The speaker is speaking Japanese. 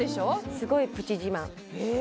すごいプチ自慢へえ！